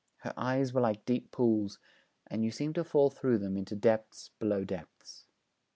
Her eyes were like deep pools, and you seemed to fall through them into depths below depths.